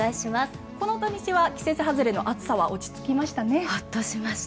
この土日は季節外れの暑さは落ち着きました。